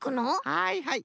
はいはい。